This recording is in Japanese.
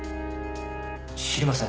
知りません。